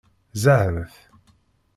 Ẓẓɛen-t.